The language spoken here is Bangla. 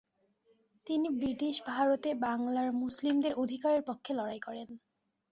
তিনি ব্রিটিশ ভারতে বাংলার মুসলিমদের অধিকারের পক্ষে লড়াই করেন।